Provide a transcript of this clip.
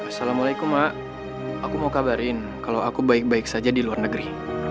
assalamualaikum mak aku mau kabarin kalau aku baik baik saja di luar negeri